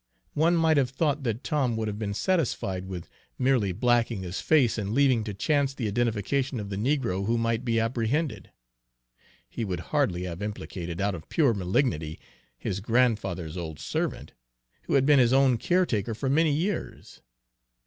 One might have thought that Tom would have been satisfied with merely blacking his face, and leaving to chance the identification of the negro who might be apprehended. He would hardly have implicated, out of pure malignity, his grandfather's old servant, who had been his own care taker for many years.